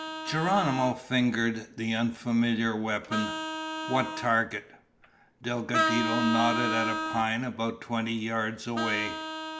Geronimo fingered the unfamiliar weapon. "What target?" Delgadito nodded at a pine about twenty yards away.